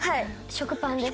食パンです。